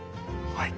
はい。